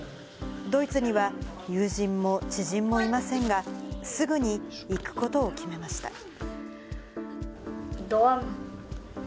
ドイツには友人も知人もいませんが、すぐに行くことを決めました。